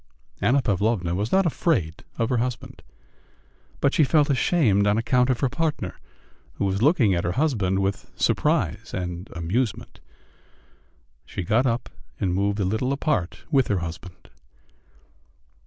Anna Pavlovna was not afraid of her husband, but she felt ashamed on account of her partner, who was looking at her husband with surprise and amusement. She got up and moved a little apart with her husband.